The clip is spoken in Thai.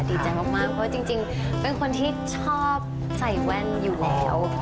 ดีใจมากเพราะจริงเป็นคนที่ชอบใส่แว่นอยู่แล้ว